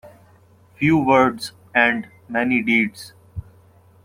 Few words and many deeds.